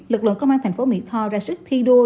lực lượng công an thành phố mỹ tho ra sức thi đua